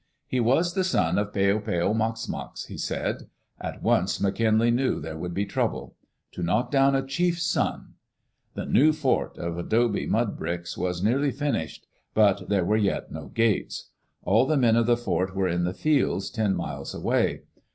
He was the son of Peo peo mox mox, he said. At once McKinlay knew there would be trouble. To knock down a chief's sonl The new fort, of adobe mud bricks, was nearly finished, but there were yet no gates. All the men of the fort were in the fields, ten miles away.